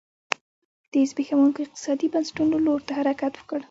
د زبېښونکو اقتصادي بنسټونو لور ته حرکت و